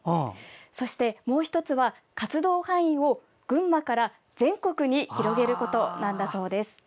そしてもう１つは活動範囲を群馬から全国に広げることなんだそうです。